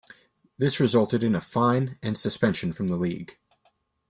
This resulted in a fine and suspension from the league.